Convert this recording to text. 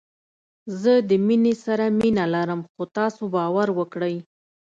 زه د مينې سره ډېره مينه لرم خو تاسو باور وکړئ